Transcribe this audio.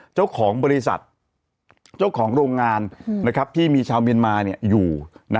เจ้าของบริษัทเจ้าของโรงงานนะครับที่มีชาวเมียนมาเนี่ยอยู่นะ